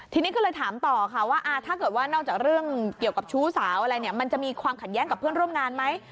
ทีนี้ก็เลยถามต่อค่ะว่าถ้าเกิดว่านอกจากเรื่องเกี่ยวกับชู้สาวอะไรเนี่ยมันจะมีความขัดแย้งกับเพื่อนร่วมงานไหม